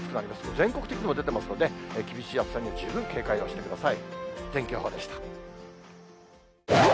全国的にも出ていますので、厳しい暑さにも十分警戒をしてください。